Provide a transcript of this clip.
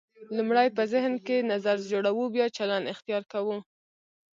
لومړی په ذهن کې نظر جوړوو بیا چلند اختیار کوو.